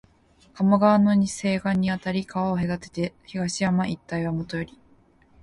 加茂川の西岸にあり、川を隔てて東山一帯はもとより、